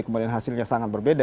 kemudian hasilnya sangat berbeda